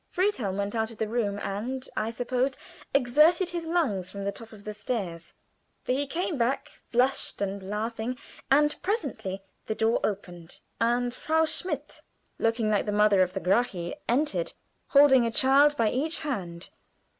Friedhelm went out of the room, and, I suppose, exerted his lungs from the top of the stairs, for he came back, flushed and laughing, and presently the door opened, and Frau Schmidt, looking like the mother of the Gracchi, entered, holding a child by each hand.